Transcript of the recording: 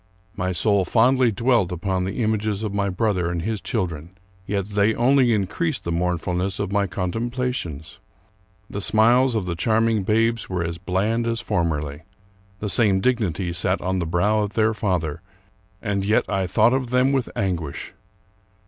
My soul fondly dwelt upon the images of my brother and his chil dren; yet they only increased the mournfulness of my con templations. The smiles of the charming babes were as bland as formerly. The same dignity sat on the brow of their father, and yet I thought of them with anguish.